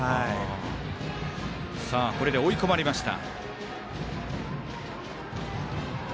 これで追い込まれました。